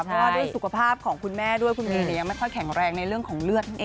ก็ด้วยสุขภาพของคุณแม่คุณน้ียังไม่แข็งแรงในเรื่องของเลือด